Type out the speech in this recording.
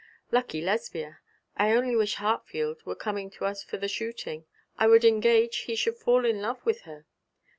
'Lucky Lesbia. I only wish Hartfield were coming to us for the shooting. I would engage he should fall in love with her.